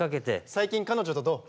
最近彼女とどう？